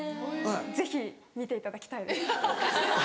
ぜひ見ていただきたいです。